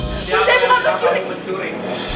saya bukan mencuri